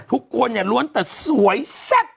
ทุกคนเนี่ยล้วนแต่สวยแซ่บ